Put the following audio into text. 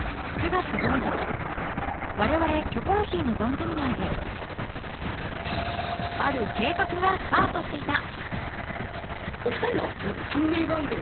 ９月某日我々『キョコロヒー』の番組内である計画がスタートしていた